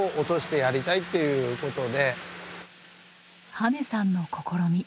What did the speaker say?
羽根さんの試み。